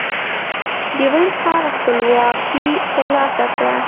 د وينز ښار خپلواکي ترلاسه کړه.